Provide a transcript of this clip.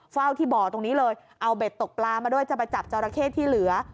เฝ้าที่บ่อตรงนี้เลยเอาเบ็ดตกปลามาด้วยจะมาจับจอราเข้ที่เหลือ